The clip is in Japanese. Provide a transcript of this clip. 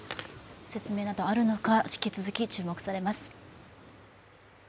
説明などあるのか、引き続き注目されます。